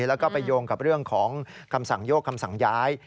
แล้วก็ไปโยงกับเรื่องของคำสั่งโยกคำสั่งย้าย